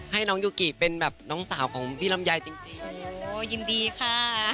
ให้น้องยูกิเป็นแบบน้องสาวของพี่ลำไยจริงโอ้โหยินดีค่ะ